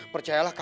percaya sama bella